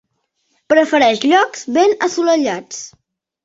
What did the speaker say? Prefereix llocs ben assolellats.